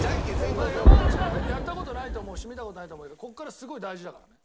まあ山内はやった事ないと思うし見た事ないと思うけどここからすごい大事だからね。